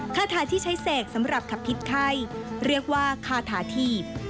คาถาที่ใช้เสกสำหรับขับพิษไข้เรียกว่าคาถาทีพ